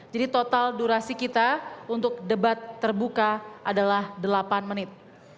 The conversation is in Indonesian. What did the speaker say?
jadi total durasi kita untuk debat terbuka adalah delapan menit